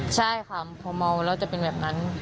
ใช่ค่ะพอเมาแล้วจะเป็นแบบนั้น